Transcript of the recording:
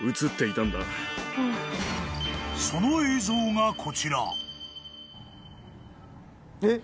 ［その映像がこちら］えっ！？